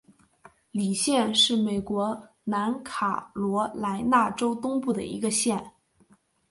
李县是美国南卡罗莱纳州东部的一个县。